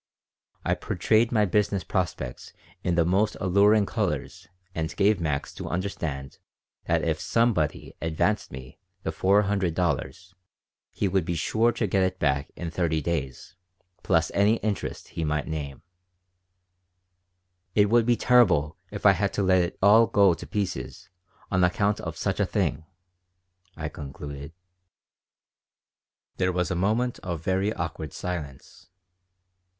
I portrayed my business prospects in the most alluring colors and gave Max to understand that if "somebody" advanced me the four hundred dollars he would be sure to get it back in thirty days plus any interest he might name "It would be terrible if I had to let it all go to pieces on account of such a thing," I concluded There was a moment of very awkward silence.